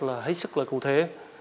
là hãy sức lợi cụ thể